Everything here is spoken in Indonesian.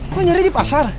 lo nyari di pasar